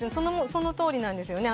そのとおりなんですよね。